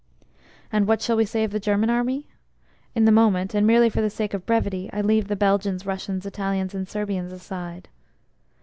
And what shall we say of the German army? (In the moment and merely for the sake of brevity I leave the Belgians, Russians, Italians and Serbians aside.)